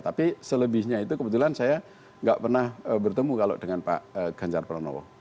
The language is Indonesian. tapi selebihnya itu kebetulan saya nggak pernah bertemu kalau dengan pak ganjar pranowo